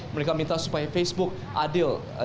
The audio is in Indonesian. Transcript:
mereka minta supaya facebook adil